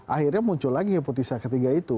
akhirnya muncul lagi heputisa ketiga itu